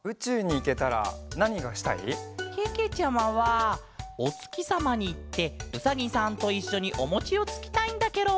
けけちゃまはおつきさまにいってうさぎさんといっしょにおもちをつきたいんだケロ！